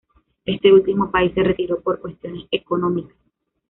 Este último país se retiró por cuestiones económicas.